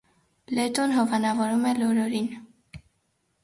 Լետոն հովանավորում է լորորին։